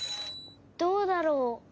どうだろう？